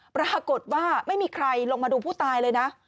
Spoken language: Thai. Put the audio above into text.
ปรากฏว่าไม่มีใครลงมาดูผู้ตายเลยนะ